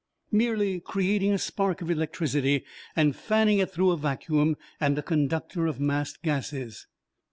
Merely creating a spark of electricity and fanning it through a vacuum and a conductor of massed gases."